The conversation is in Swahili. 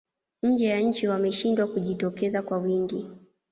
nje ya nchi wameshindwa kujitokeza kwa wingi